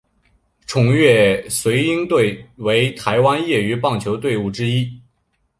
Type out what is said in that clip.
崇越隼鹰队为台湾业余棒球队伍之一。